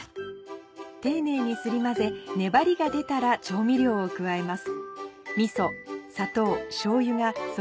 丁寧にすり混ぜ粘りが出たら調味料を加えます。